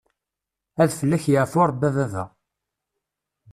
Ad fell-ak yeɛfu rebbi a baba.